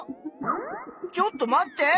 ちょっと待って！